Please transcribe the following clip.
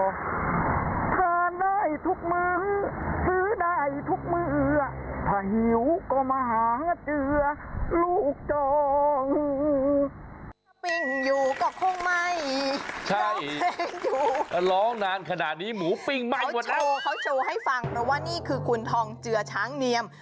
ทานได้ทุกมือซื้อได้ทุกมือถ้าหิวก็มาหาเจือลูกจอง